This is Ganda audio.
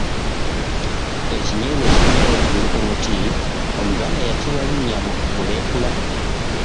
Ekinyeebwa ekikulira waggulu ku muti, Omuganda yakiwa linnya Mulekula.